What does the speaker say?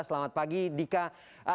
selamat pagi dika